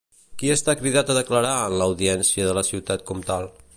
Qui està cridat a declarar en l'Audiència de la ciutat comtal?